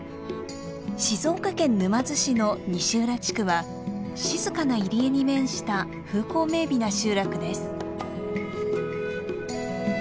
静岡県沼津市の西浦地区は静かな入り江に面した風光明美な集落です。